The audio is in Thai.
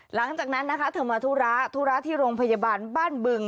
หลังจากนั้นนะคะเธอมาธุระธุระที่โรงพยาบาลบ้านบึง